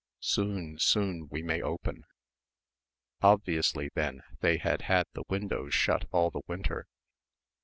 Soon, soon we may open. Obviously then they had had the windows shut all the winter.